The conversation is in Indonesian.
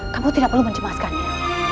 kamu tidak perlu menjemaskannya